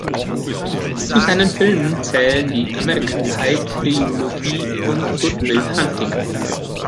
Zu seinen Filmen zählen die American-Pie-Trilogie und "Good Will Hunting".